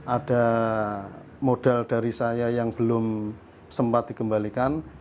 ada modal dari saya yang belum sempat dikembalikan